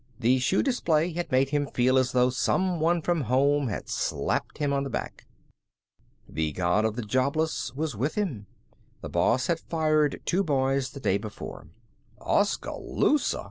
The shoe display had made him feel as though some one from home had slapped him on the back. The God of the Jobless was with him. The boss had fired two boys the day before. "Oskaloosa!"